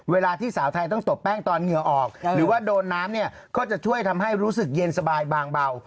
เวลาที่สาวไทยต้องตบแป้งตอนเหงื่อออกหรือว่าโดนน้ำเนี่ยก็จะช่วยทำให้รู้สึกเย็นสบายบางเบา